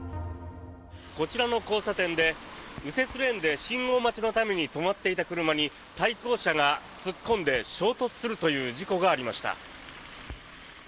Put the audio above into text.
こちらの交差点で右折レーンで信号待ちのために止まっていた車に対向車が突っ込んで衝突するという事故がありました。